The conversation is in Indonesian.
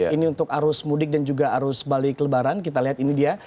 ini untuk arus mudik dan juga arus balik lebaran kita lihat ini dia